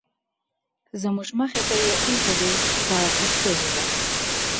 زموږ مخې ته یې اېښي دي په پښتو ژبه.